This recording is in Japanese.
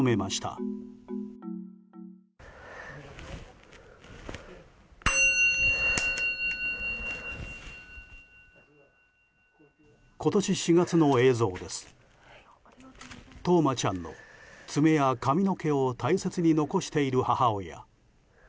冬生ちゃんの爪や髪の毛を大切に残している母親。